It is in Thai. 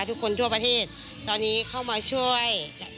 ทุกคนทั่วประเทศตอนนี้เข้ามาช่วย